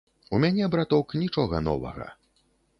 У мяне браток нічога новага.